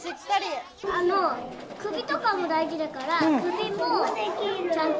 首とかも大事だから、ちゃんと。